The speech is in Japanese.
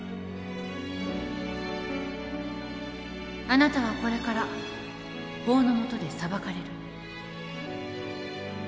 あなたはこれから法の下で裁かれる。